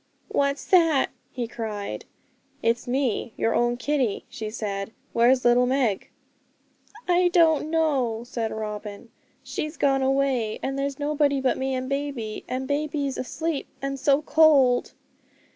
'What's that?' he cried. 'It's me, your own Kitty,' she said; 'where's little Meg?' 'I don't know,' said Robin, 'she's gone away, and there's nobody but me and baby; and baby's asleep, and so cold.'